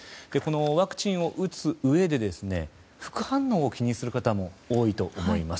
ワクチンを打つうえで副反応を気にする方も多いと思います。